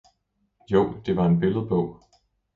– Jo det var en billedbog!